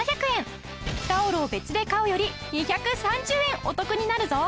タオルを別で買うより２３０円お得になるぞ！